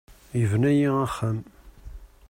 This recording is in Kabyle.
Yebna-iyi axxam.